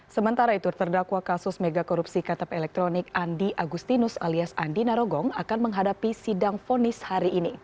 sementara itu terdakwa kasus mega korupsi ktp elektronik andi agustinus alias andi narogong akan menghadapi sidang fonis hari ini